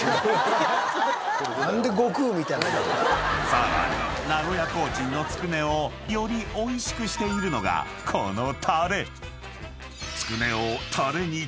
［さらに名古屋コーチンのつくねをよりおいしくしているのがこの］